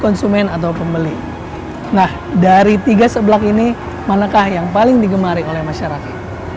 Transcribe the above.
nah dari tiga sebelak ini manakah yang paling digemari oleh masyarakat